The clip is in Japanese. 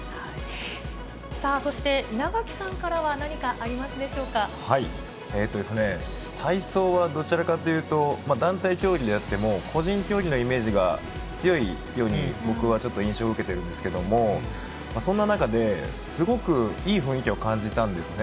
さあそして、稲垣さんからは体操はどちらかというと、団体競技であっても、個人競技のイメージが強いように、僕はちょっと印象を受けてるんですけれども、そんな中ですごくいい雰囲気を感じたんですね。